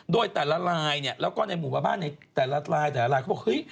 โดยแต่ละรายเนี่ยแล้วก็ในหมู่บ้านในแต่ละราย